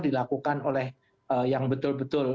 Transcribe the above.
dilakukan oleh yang betul betul